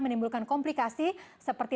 menimbulkan komplikasi seperti